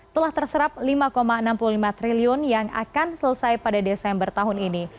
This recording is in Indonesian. telah terserap lima enam puluh lima triliun yang akan selesai pada desember tahun ini